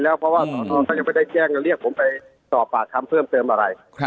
เพราะว่าตอนนั้นก็ยังไม่ได้แกล้งแล้วเรียกผมไปตอบปากคำเพิ่มเติมอะไร